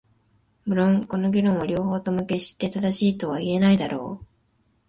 無論この議論は両方とも決して正しいとは言えないだろう。